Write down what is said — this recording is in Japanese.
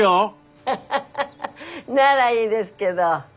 ハハハハならいいですけど。